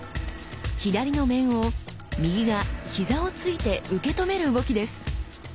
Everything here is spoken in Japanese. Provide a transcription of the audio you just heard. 左の面を右が膝をついて受け止める動きです。